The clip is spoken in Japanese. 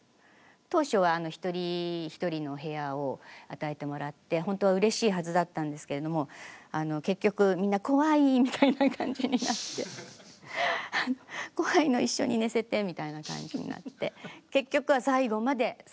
当初は一人一人の部屋を与えてもらってほんとはうれしいはずだったんですけれども結局みんな怖いみたいな感じになって怖いの一緒に寝せてみたいな感じになって結局は最後まで３人一緒に。